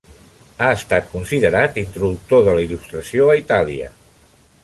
Ha estat considerat l'introductor de la Il·lustració a Itàlia.